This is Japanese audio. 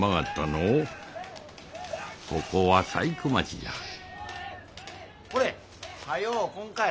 ここは細工町じゃこれ早う来んかい。